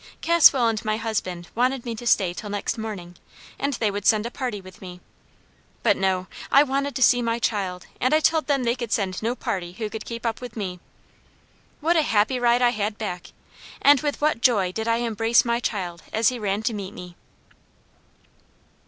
Caswell and my husband wanted me to stay till next morning, and they would send a party with me; but no! I wanted to see my child, and I told them they could send no party who could keep up with me. What a happy ride I had back! and with what joy did I embrace my child as he ran to meet me!"